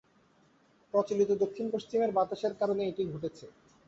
প্রচলিত দক্ষিণ-পশ্চিমের বাতাসের কারণেই এটি ঘটেছে।